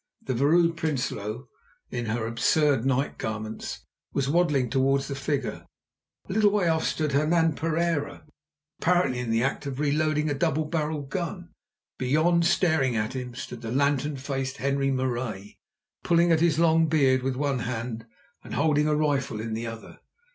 The Vrouw Prinsloo, in her absurd night garments, was waddling towards the figure, and a little way off stood Hernan Pereira, apparently in the act of reloading a double barrelled gun. Beyond, staring at him, stood the lantern faced Henri Marais, pulling at his long beard with one hand and holding a rifle in the other.